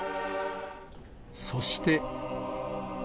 そして。